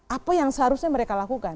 apa yang seharusnya mereka lakukan